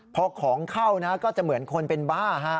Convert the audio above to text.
พอของเข้านะก็จะเหมือนคนเป็นบ้า